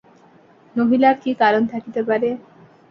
নহিলে আর কী কারণ থাকিতে পারে!